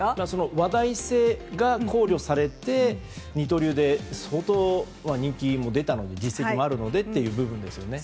話題性が考慮されて二刀流で、相当人気も出て実績もあるのでという部分ですよね。